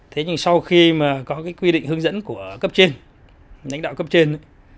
thế nhưng sau khi mà có cái quy định hướng dẫn của cấp trên lãnh đạo cấp trên